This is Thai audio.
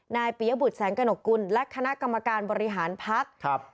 ปียบุตรแสงกระหนกกุลและคณะกรรมการบริหารพักครับ